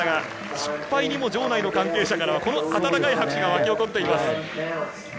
失敗にも場内の関係者からは温かい拍手が沸き起こっています。